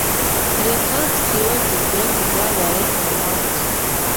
Reka twibagirwe ibyabaye uyu munsi